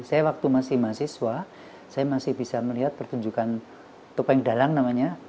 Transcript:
saya waktu masih mahasiswa saya masih bisa melihat pertunjukan topeng dalang namanya